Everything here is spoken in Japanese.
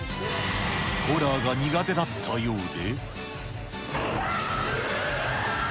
ホラーが苦手だったようで。